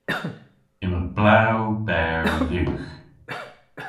Yma blew berr dhywgh.